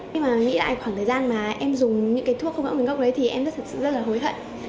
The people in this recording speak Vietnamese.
nhưng mà nghĩ lại khoảng thời gian mà em dùng những cái thuốc không rõ nguồn gốc đấy thì em rất thật sự rất là hối hận